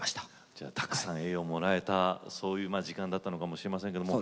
じゃあたくさん栄養をもらえたそういう時間だったのかもしれませんけども。